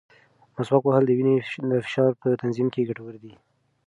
مسواک وهل د وینې د فشار په تنظیم کې ګټور دی.